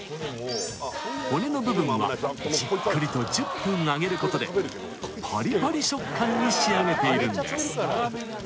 骨の部分はじっくりと１０分揚げることでパリパリ食感に仕上げているんです。